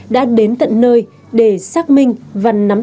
đã đến tận nơi để xác minh và nắm bắt